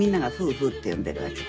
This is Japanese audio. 「ふう」って呼んでるわけです。